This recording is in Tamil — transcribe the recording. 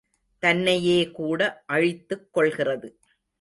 தன்னையே கூட அழித்துக் கொள்கிறது.